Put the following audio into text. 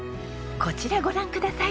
こちらご覧ください！